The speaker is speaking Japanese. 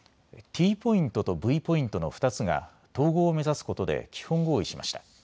ＴポイントとＶポイントの２つが統合を目指すことで基本合意しました。